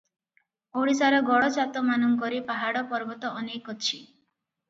ଓଡ଼ିଶାର ଗଡଜାତମାନଙ୍କରେ ପାହାଡ଼ପର୍ବତ ଅନେକ ଅଛି ।